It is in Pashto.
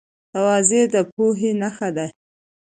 تواضع د پوهې نښه ده.